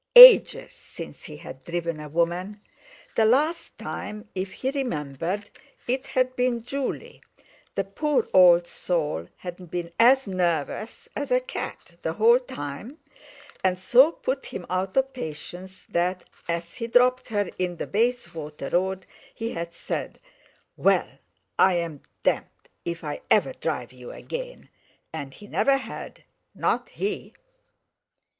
Ages since he had driven a woman! The last time, if he remembered, it had been Juley; the poor old soul had been as nervous as a cat the whole time, and so put him out of patience that, as he dropped her in the Bayswater Road, he had said: "Well I'm d——d if I ever drive you again!" And he never had, not he!